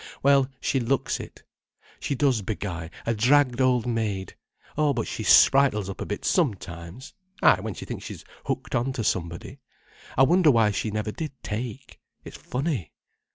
Well, she looks it. She does beguy—a dragged old maid. Oh but she sprightles up a bit sometimes. Ay, when she thinks she's hooked on to somebody. I wonder why she never did take? It's funny.